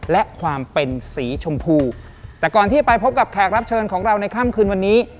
และความเป็นสีชมพูแต่ก่อนที่ไปพบกับแขกรับเชิญของเราในค่ำคืนวันนี้